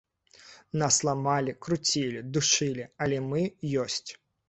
Нас ламалі, круцілі, душылі, але мы ёсць.